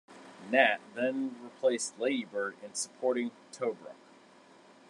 "Gnat" then replaced "Ladybird" in supporting Tobruk.